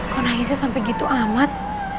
kok nangisnya sampai gitu amat